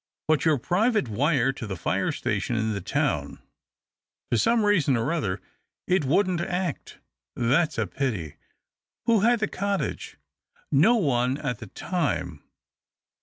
" But your private wire to the fire station in the town 1 "" For some reason or other it wouldn't act." " That's a pity. Who had the cottage ?" "No one at the time.